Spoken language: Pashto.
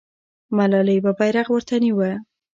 ملالۍ به بیرغ ورته نیوه.